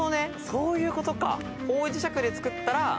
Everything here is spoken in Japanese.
そういうことか。